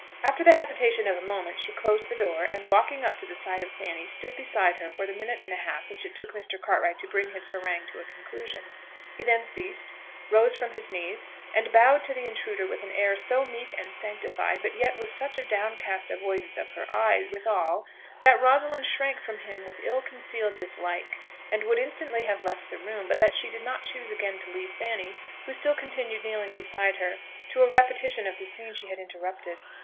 After the hesitation of a moment, she closed the door, and walking up to the side of Fanny, stood beside her for the minute and a half which it took Mr. Cartwright to bring his harangue to a conclusion. He then ceased, rose from his knees, and bowed to the intruder with an air so meek and sanctified, but yet with such a downcast avoidance of her eye withal, that Rosalind shrank from him with ill concealed dislike, and would instantly have left the room, but that she did not choose again to leave Fanny, who still continued kneeling beside her, to a repetition of the scene she had interrupted.